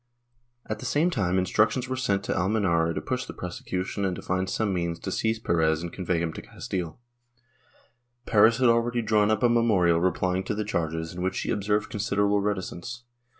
At the same time instructions were sent to Almenara to push the prosecution and to find some means to seize Perez and convey him to Castile. Perez had already drawn up a memorial replying to the charges, VOL. IV 17 258 POLITICAL ACTIVITY [Book VIII in which he observed considerable reticence.